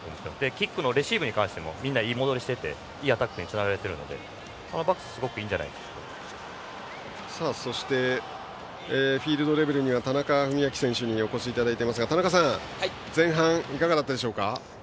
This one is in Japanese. キックのレシーブに対してもみんな、いい戻りしていていいアタックにつながっているのでそしてフィールドレベルに田中史朗選手にお越しいただいていますが前半、いかがですか。